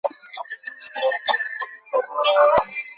ডেকে নিয়ে আয়।